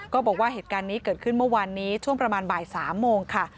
บอกว่าเหตุการณ์นี้เกิดขึ้นเมื่อวานนี้ช่วงประมาณบ่าย๓โมงค่ะ